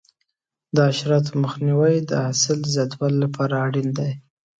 د حشراتو مخنیوی د حاصل د زیاتوالي لپاره اړین دی.